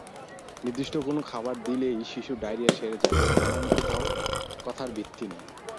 নির্দিষ্ট কোন খাবার দিলেই শিশুর ডায়রিয়া সেরে যাবে, এমন কথার ভিত্তি নেই।